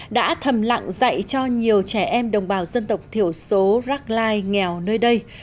đã thầm lặng dạy cho nhiều trẻ em đồng bào dân tộc thiểu số rác lai nghèo nơi đây